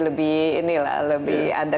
lebih ini lah lebih ada